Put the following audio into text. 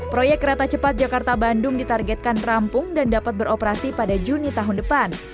proyek kereta cepat jakarta bandung ditargetkan rampung dan dapat beroperasi pada juni tahun depan